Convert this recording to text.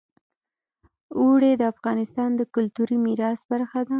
اوړي د افغانستان د کلتوري میراث برخه ده.